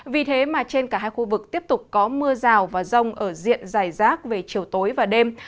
vì thế mà trên cả hai khu vực tiếp tục có mưa rào và rông ở diện dài rác về chiều tối và đêm